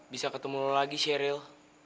bisa ketemu lagi sheryl